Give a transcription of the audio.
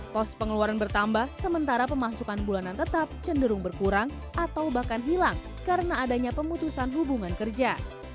pos pengeluaran bertambah sementara pemasukan bulanan tetap cenderung berkurang atau bahkan hilang karena adanya pemutusan hubungan kerja